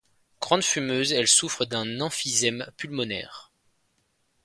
Grande fumeuse, elle souffre d'un emphysème pulmonaire.